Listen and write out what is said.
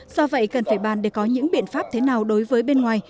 do vậy cần phải bàn để có những biện pháp thế nào đối với bên ngoài